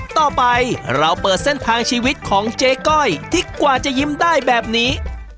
ต่อไปเราเปิดเส้นทางชีวิตของเจ๊ก้อยที่กว่าจะยิ้มได้แบบนี้